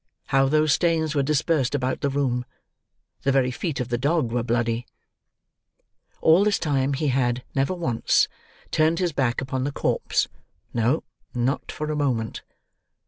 How those stains were dispersed about the room! The very feet of the dog were bloody. All this time he had, never once, turned his back upon the corpse; no, not for a moment.